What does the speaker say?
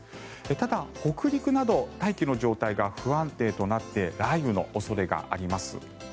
ただ、北陸など大気の状態が不安定となって雷雨の恐れがあります。